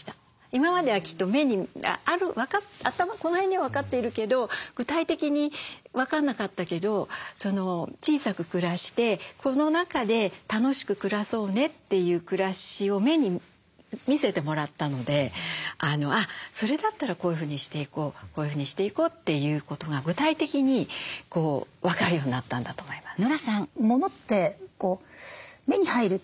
今まではきっとこの辺には分かっているけど具体的に分かんなかったけど小さく暮らしてこの中で楽しく暮らそうねという暮らしを目に見せてもらったのであっそれだったらこういうふうにしていこうこういうふうにしていこうということが具体的に分かるようになったんだと思います。